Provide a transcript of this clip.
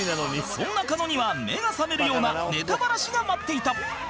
そんな狩野には目が覚めるようなネタバラシが待っていた